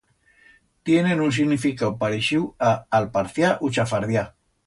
Tienen un significau pareixiu a alparciar u chafardiar.